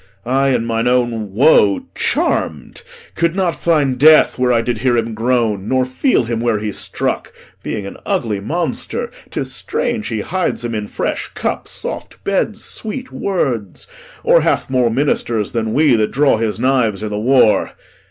I, in mine own woe charm'd, Could not find death where I did hear him groan, Nor feel him where he struck. Being an ugly monster, 'Tis strange he hides him in fresh cups, soft beds, Sweet words; or hath moe ministers than we That draw his knives i' th' war.